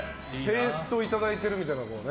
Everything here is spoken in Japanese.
ペーストいただいてるみたいな。